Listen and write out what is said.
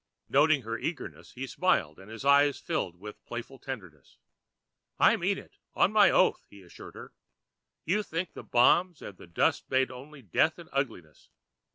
Noting her eagerness, he smiled and his eyes filled with playful tenderness. "I mean it, on my oath," he assured her. "You think the bombs and the dust made only death and ugliness.